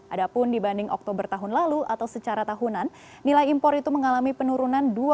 adapun dibanding oktober tahun lalu atau secara tahunan nilai impor itu mengalami penurunan